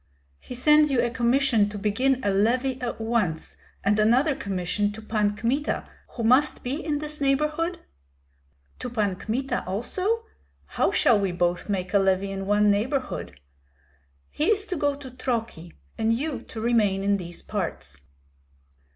He sends you a commission to begin a levy at once, and another commission to Pan Kmita, who must be in this neighborhood." "To Pan Kmita also? How shall we both make a levy in one neighborhood?" "He is to go to Troki, and you to remain in these parts."